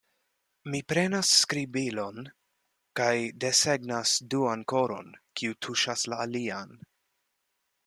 Mi prenas skribilon, kaj desegnas duan koron, kiu tuŝas la alian.